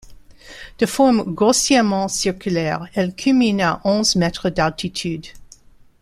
De forme grossièrement circulaire, elle culmine à onze mètres d'altitude.